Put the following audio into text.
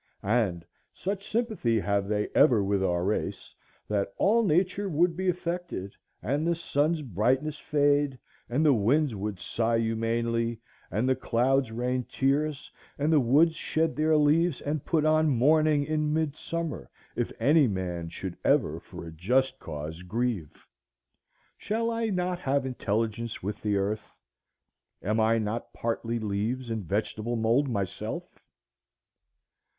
and such sympathy have they ever with our race, that all Nature would be affected, and the sun's brightness fade, and the winds would sigh humanely, and the clouds rain tears, and the woods shed their leaves and put on mourning in midsummer, if any man should ever for a just cause grieve. Shall I not have intelligence with the earth? Am I not partly leaves and vegetable mould myself?